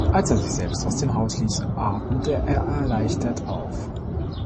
Als er sich selbst aus dem Haus ließ, atmete er erleichtert auf.